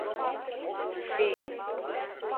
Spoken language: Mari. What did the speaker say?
— Шӱй...